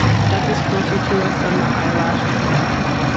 Death is closer to us than the eyelash to the eye.